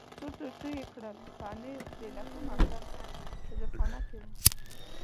څو ټوټې کړل، پنیر دې له کومه کړل؟ په زیرخانه کې و.